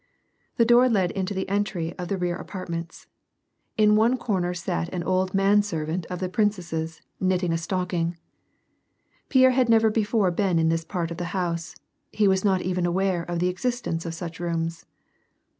The door led into the entry of the rear apartments. In one corner sat an old man servant of the princesses, knitting a stocking. Pierre had never before been in this part of the house, he was not even aware of the existence of such rooms.